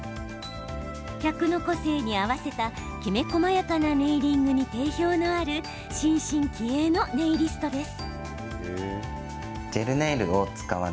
客の個性に合わせたきめこまやかなネイリングに定評のある新進気鋭のネイリストです。